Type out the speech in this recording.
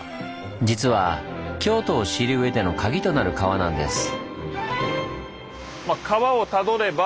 実は京都を知る上でのカギとなる川なんです。